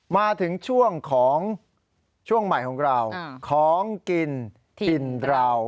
มาถึงช่วงของช่วงใหม่ของเราของกินถิ่นเรา